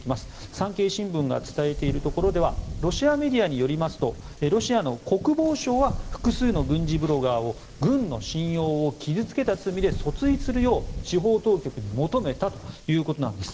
産経新聞が伝えているところではロシアメディアによりますとロシアの国防省は複数の軍事ブロガーを軍の信用を傷付けた罪で訴追するよう司法当局に求めたということなんです。